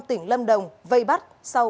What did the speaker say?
tỉnh lâm đồng vây bắt